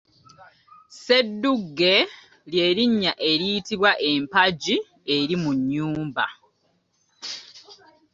Sseddugge ly’erinnya eriyitibwa empagi eri mu nnyumba .